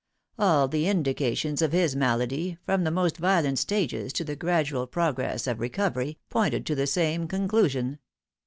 All the indications of his malady, from the most violent stages to the gradual progress of recovery, pointed to the same conclusion.